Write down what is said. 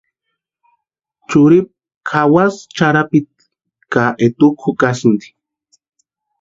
Churhipu kʼawasï charhapiti ka etukwa jukasïnti.